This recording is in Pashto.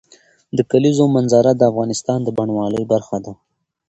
د کلیزو منظره د افغانستان د بڼوالۍ برخه ده.